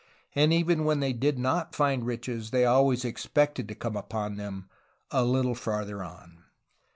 And even when they did not find riches, they always expected to come upon them "a, little farther on.''